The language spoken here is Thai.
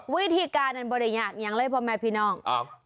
วิธีการนั้นไม่ได้ยากอย่างไรแปลวะแม่พี่น้อง